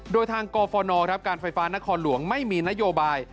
โดยทางกฟนการไฟฟ้านครหลวงไม่มีนโยบาย